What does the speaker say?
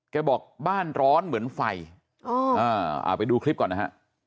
บอกบ้านร้อนเหมือนไฟไปดูคลิปก่อนนะฮะ